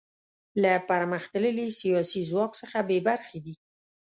له پرمختللي سیاسي ځواک څخه بې برخې دي.